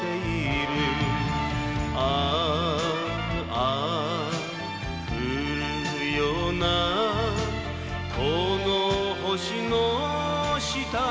「ああ降るようなこの星の下で」